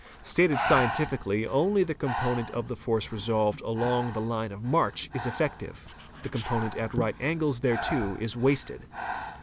Stated ' scientifically, only the component of the force resolved along the line of march is effective, the component at right angles thereto is wasted.